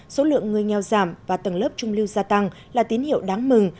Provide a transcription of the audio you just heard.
số lượng người nghèo giảm và tầng lớp trung lưu gia tăng là tín hiệu đáng mừng